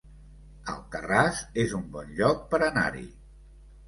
Alcarràs es un bon lloc per anar-hi